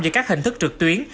với các hình thức trực tuyến